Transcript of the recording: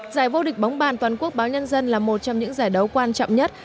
giải vô địch bóng bàn toàn quốc báo nhân dân là một trong những giải đấu quan trọng nhất